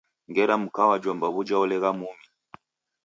Ngera Mkawajomba w’uja olegha mumi?